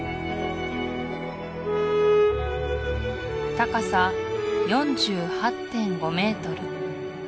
高さ４８．５メートル